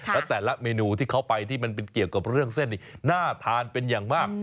แล้วแต่ละเมนูที่เขาไปที่มันเป็นเกี่ยวกับเรื่องเส้นนี้น่าทานเป็นอย่างมาก